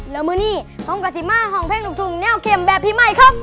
แล้วมือนี้ห้องกะสิมาห่องเพลงลูกทุ่งแนวเข็มแบบพี่ใหม่ครับ